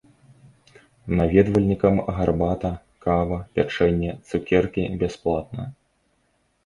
Наведвальнікам гарбата, кава, пячэнне, цукеркі бясплатна.